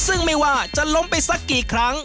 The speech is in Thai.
ซึ่งไม่ว่าจะล้มไปสักกี่ครั้ง